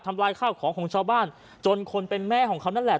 ลายข้าวของของชาวบ้านจนคนเป็นแม่ของเขานั่นแหละ